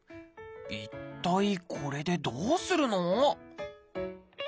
一体これでどうするの？